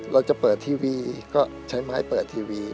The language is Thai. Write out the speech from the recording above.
เราจะเปิดทีวีก็ใช้ไม้เปิดทีวี